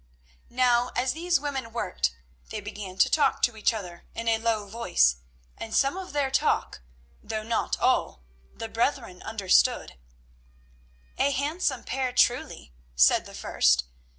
Now as these women worked, they began to talk to each other in a low voice, and some of their talk, though not all, the brethren understood. "A handsome pair truly," said the first.